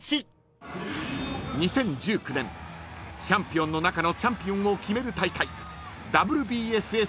［チャンピオンの中のチャンピオンを決める大会］